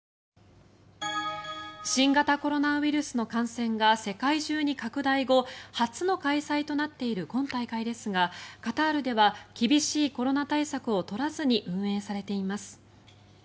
新型コロナウイルスの感染が世界中に拡大後初の開催となっている今大会ですがカタールでは厳しいコロナ対策を取らずに運営されています。